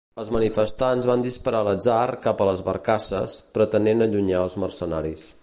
Els manifestants van disparar a l'atzar cap a les barcasses, pretenent allunyar als mercenaris.